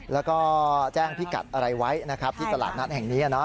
แล้วก็แจ้งพิกัดอะไรไว้นะครับที่ตลาดนัดแห่งนี้